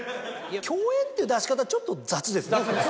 共演って出し方ちょっと雑ですね。